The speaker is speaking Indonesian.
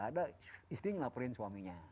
ada istri ngelaporin suaminya